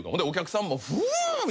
お客さんも「フゥッ！」